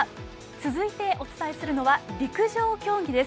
続いてお伝えするのは陸上競技です。